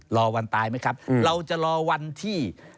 รอวันตายไหมครับเราจะรอวันที่